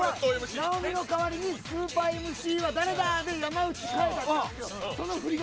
直美の代わりに、スーパーＭＣは誰だで、山内が。